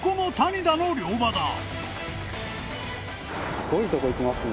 すごいとこ行きますね。